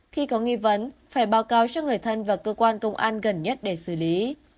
khi có nghi vấn phải báo cáo cho người thân và cơ quan công an gần nhất để xử lý